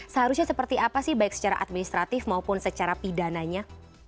seharusnya seperti apa sih baik secara administratif maupun secara pidananya